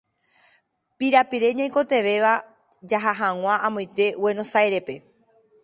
Pirapire ñaikotevẽva jaha hag̃ua amoite Guenosáirepe.